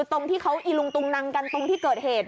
ตรงที่เขาอีลุงตุงนังกันตรงที่เกิดเหตุ